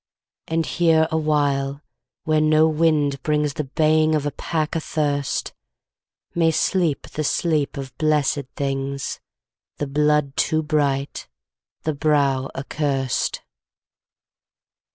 And here a while, where no wind brings The baying of a pack athirst, May sleep the sleep of blessed things, The blood too bright, the brow accurst.